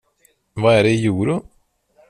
Vad är det i euro?